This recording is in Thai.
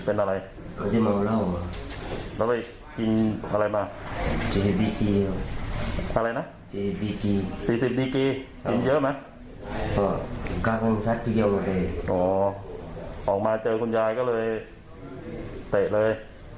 ออกมาเจอคุณยายก็เลยเตะเลย